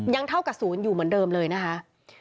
เท่ากับศูนย์อยู่เหมือนเดิมเลยนะคะ